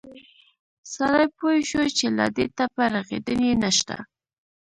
سړى پوى شو چې له دې ټپه رغېدن يې نه شته.